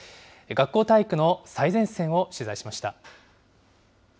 学校体育の最前線を取材しました。